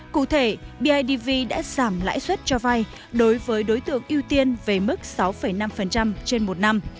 cụ thể bidv đã giảm lãi suất cho vay đối với đối tượng ưu tiên về mức sáu năm trên một năm